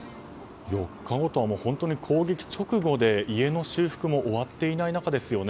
４日後とは本当に攻撃直後で家の修復も終わっていない中ですよね。